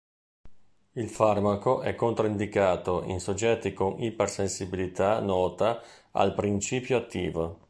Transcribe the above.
Il farmaco è controindicato in soggetti con ipersensibilità nota al principio attivo.